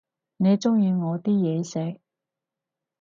你鍾意我啲嘢食？